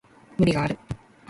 無理がある